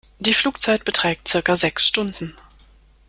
Die Flugzeit beträgt circa sechs Stunden.